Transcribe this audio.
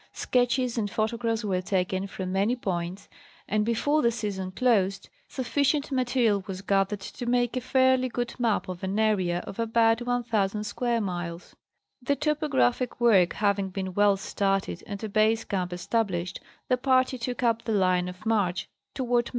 Sketches and photographs were taken from many points, VOL. IL. 21 o 304 National Geographic Magazine. and before the season closed, sufficient material was gathered to: make a fairly good map of an area of about 1000 square miles. The topographic work having been well started and a base camp established, the party took up the line of march toward Mt.